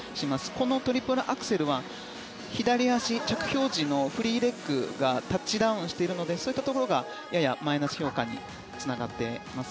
このトリプルアクセルは左足、着氷時のフリーレッグがタッチダウンしているのでそういったところがややマイナス評価につながってます。